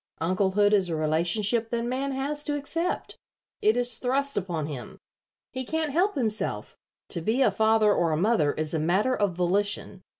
Unclehood is a relationship that man has to accept. It is thrust upon him. He can't help himself. To be a father or a mother is a matter of volition.